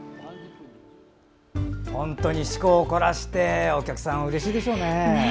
本当に趣向を凝らしてお客さん、うれしいでしょうね。